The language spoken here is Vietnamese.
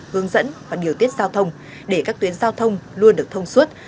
hướng dẫn và điều tiết giao thông để các tuyến giao thông luôn được thông suốt